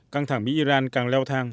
căng thẳng mỹ iran càng leo thang